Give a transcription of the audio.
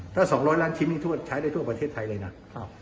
ถ้าสองร้อยล้านชิ้นนี้ทั่วใช้ได้ทั่วประเทศไทยเลยน่ะครับ